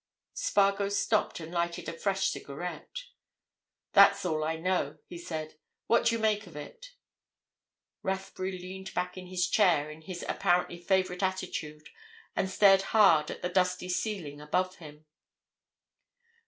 Spargo stopped and lighted a fresh cigarette. "That's all I know," he said. "What do you make of it?" Rathbury leaned back in his chair in his apparently favourite attitude and stared hard at the dusty ceiling above him.